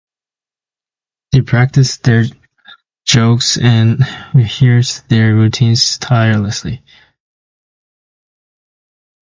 They practiced their jokes and rehearsed their routines tirelessly.